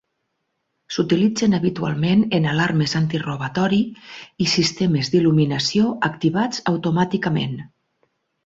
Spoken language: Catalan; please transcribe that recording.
S'utilitzen habitualment en alarmes antirobatori i sistemes d'il·luminació activats automàticament.